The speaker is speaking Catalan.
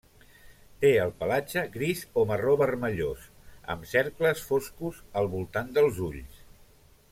Té el pelatge gris o marró vermellós, amb cercles foscos al voltant dels ulls.